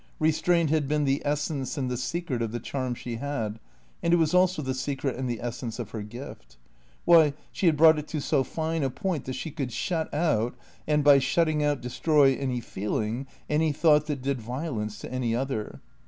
Restraint had been the essence and the secret of the charm she had, and it was also the secret and the essence of her gift. Why, she had brought it to so fine a point that she could shut out, and by shutting out destroy any feeling, any thought that did violence to any other.